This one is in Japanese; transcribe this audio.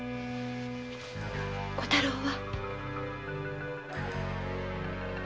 小太郎は？